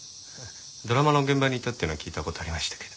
ドラマの現場にいたっていうのは聞いた事ありましたけど。